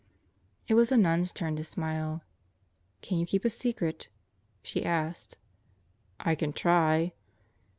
It was the nun's turn to smile. "Can you keep a secret?" she asked. "I can try."